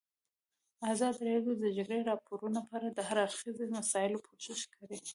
ازادي راډیو د د جګړې راپورونه په اړه د هر اړخیزو مسایلو پوښښ کړی.